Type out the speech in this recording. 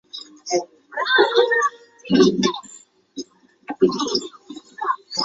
烟雾弹可用作在敌人众多的情况下扰乱敌人或是制造烟雾来躲避至上空。